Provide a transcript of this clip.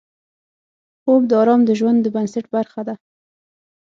خوب د آرام د ژوند د بنسټ برخه ده